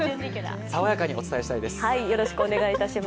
爽やかにお伝えしたいです。